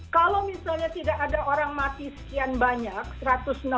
kalau misalnya tidak ada orang mati sekian banyak satu ratus enam puluh ribu lebih